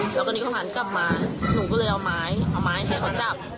แล้วตอนนี้เขาหันกลับมาหนูก็เลยเอาไม้เอาไม้ให้เขาจับ